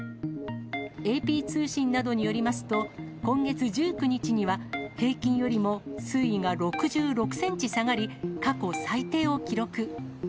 ＡＰ通信などによりますと、今月１９日には、平均よりも水位が６６センチ下がり、過去最低を記録。